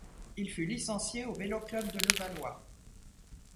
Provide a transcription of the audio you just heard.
Il fut licencié au vélo-club de Levallois.